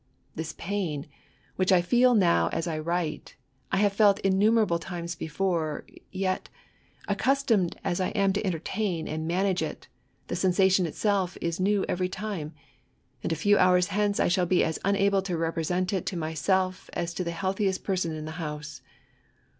This pain, which I feel now as I write, I haye felt innumerable times before ; yet, accustomed as^ I am to entertaih^ and manage it, flie sensation itself is new every time; and a few hours hence I shall be as unable to represent it to myself as to the healthiest person in the house.